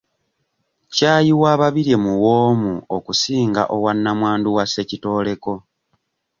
Ccaayi wa Babirye muwoomu okusinga owa namwandu wa Ssekitoleko.